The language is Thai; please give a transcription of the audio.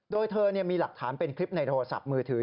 โดยเธอมีหลักฐานเป็นคลิปในโทรศัพท์มือถือ